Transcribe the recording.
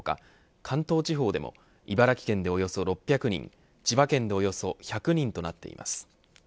関東地方でも茨城県でおよそ６００人千葉県でおよそ１００人となっています。